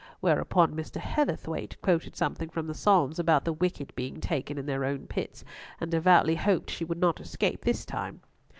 Whereupon Mr. Heatherthwayte quoted something from the Psalms about the wicked being taken in their own pits, and devoutly hoped she would not escape this time.